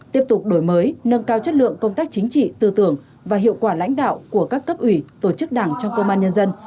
tiếp tục đổi mới nâng cao chất lượng công tác chính trị tư tưởng và hiệu quả lãnh đạo của các cấp ủy tổ chức đảng trong công an nhân dân